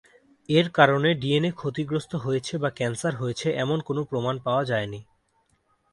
এর কারণে ডিএনএ ক্ষতিগ্রস্ত হয়েছে বা ক্যান্সার হয়েছে এমন কোন প্রমাণ পাওয়া যায়নি।